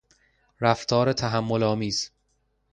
رفتار تحمیل آمیز